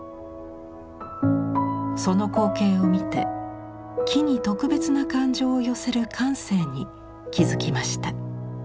その光景を見て木に特別な感情を寄せる感性に気付きました。